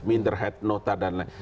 minderheit nota dan lain